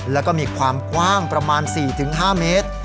แล้วก็มีความกว้างประมาณ๔๕เมตร